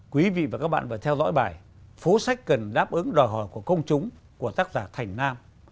quý vị và các bạn vừa theo dõi bài phố sách cần đáp ứng đòi hỏi của công chúng của tác giả thành nam